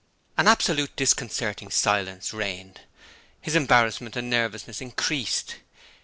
An absolute, disconcerting silence reigned. His embarrassment and nervousness increased.